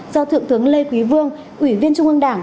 do thượng tướng lê quý vương ủy viên trung ương đảng